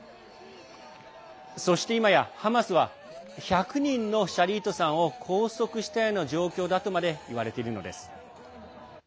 そして、いまやハマスは１００人のシャリートさんを拘束したような状況とまでいわれているのです。